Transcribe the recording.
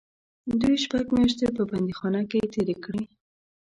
دوی شپږ میاشتې په بندیخانه کې تېرې کړې.